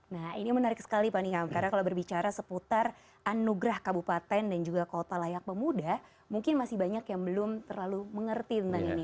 nah ini menarik sekali pak niam karena kalau berbicara seputar anugerah kabupaten dan juga kota layak pemuda mungkin masih banyak yang belum terlalu mengerti tentang ini